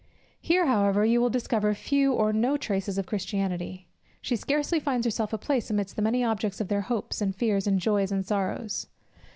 Here, however, you will discover few or no traces of Christianity. She scarcely finds herself a place amidst the many objects of their hopes, and fears, and joys, and sorrows.